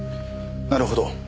なるほど。